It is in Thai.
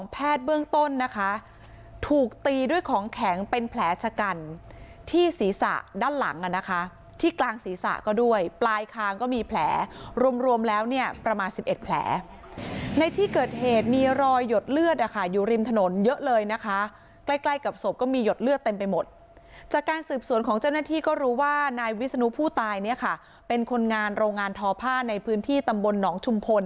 แพทย์เบื้องต้นนะคะถูกตีด้วยของแข็งเป็นแผลชะกันที่ศีรษะด้านหลังอ่ะนะคะที่กลางศีรษะก็ด้วยปลายคางก็มีแผลรวมแล้วเนี่ยประมาณ๑๑แผลในที่เกิดเหตุมีรอยหยดเลือดนะคะอยู่ริมถนนเยอะเลยนะคะใกล้ใกล้กับศพก็มีหดเลือดเต็มไปหมดจากการสืบสวนของเจ้าหน้าที่ก็รู้ว่านายวิศนุผู้ตายเนี่ยค่ะเป็นคนงานโรงงานทอผ้าในพื้นที่ตำบลหนองชุมพล